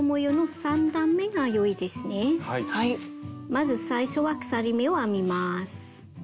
まず最初は鎖目を編みます。